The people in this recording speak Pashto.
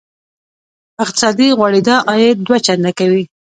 اقتصادي غوړېدا عاید دوه چنده کوي.